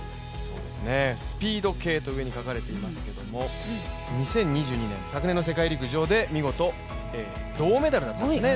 スピード系と上に書かれていますけれども、２０２２年、昨年の世界陸上で見事銅メダルだったんですね。